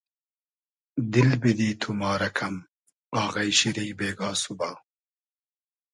دیل بیدی تو ما رۂ کئم آغݷ شیری بېگا سوبا